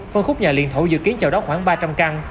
phân khúc nhà liền thổ dự kiến chào đón khoảng ba trăm linh căn